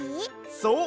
そう。